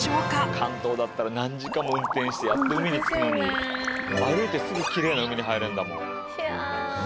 関東だったら何時間も運転してやっと海に着くのに歩いてすぐきれいな海に入れんだもん。